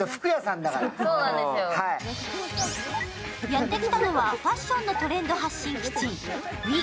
やってきたのはファッションのトレンド発信基地、ＷＥＧＯ